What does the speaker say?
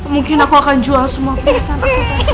mungkin aku akan jual semua perhiasan aku tante